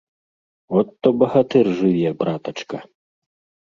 От бо багатыр жыве, братачка!